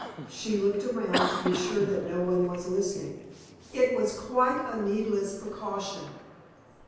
She looked around to be sure that no one was listening. It was quite a needless precaution.